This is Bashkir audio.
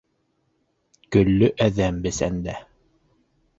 Көллө әҙәм бесәндә.